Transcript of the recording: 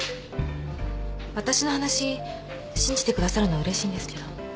わたしの話信じてくださるのはうれしいんですけど。